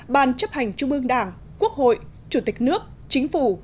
ban chấp hành trung ương đảng quốc hội chủ tịch nước chính phủ